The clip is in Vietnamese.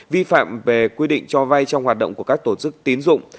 vi phạm về quy định cho vay trong hoạt động của các tổ chức tín dụng